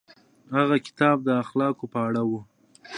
هغه کتاب د اخلاقو په اړه و.